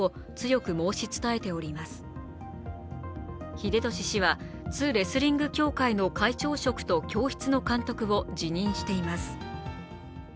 栄利氏は津レスリング協会の会長職と教室の監督を辞任しています。